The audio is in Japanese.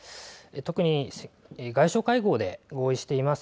特に外相会合で合意しています